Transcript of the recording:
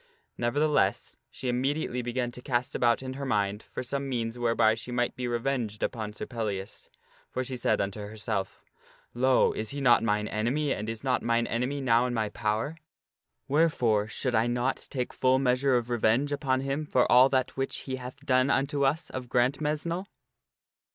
Nevertheless, she immediately began to cast about in her mind for some means whereby she might be revenged upon Sir Pellias ; for she said unto herself, " Lo ! is he not mine enemy and is not mine enemy now in my power? Wherefore should I not take full measure of revenge upon him for all that which he hath done unto us .of Grantmesnle